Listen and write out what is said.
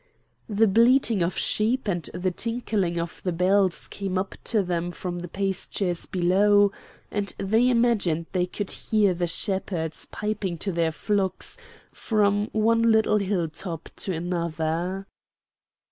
The bleating of sheep and the tinkling of the bells came up to them from the pastures below, and they imagined they could hear the shepherds piping to their flocks from one little hill top to another.